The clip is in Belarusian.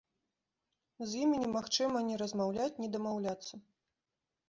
З імі немагчыма ні размаўляць, ні дамаўляцца.